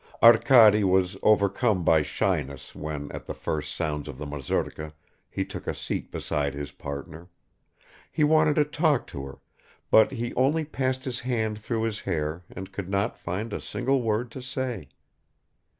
Arkady was overcome by shyness when at the first sounds of the mazurka he took a seat beside his parther; he wanted to talk to her, but he only passed his hand through his hair and could not find a single word to say.